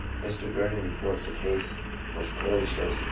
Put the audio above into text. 3 Mr. Gurney reports a case which clearly shows this.